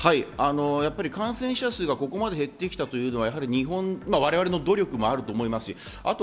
感染者数がここまで減ってきたというのは我々の努力もあると思いますし。